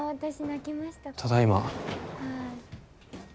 ただいま。